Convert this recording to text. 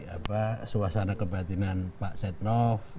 apa suasana kebatinan pak setnov